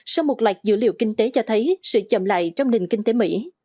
sau một loạt dữ liệu kinh tế cho thấy sự chậm lại trong nền kinh tế mỹ